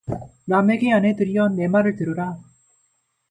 라멕의 아내들이여 내 말을 들으라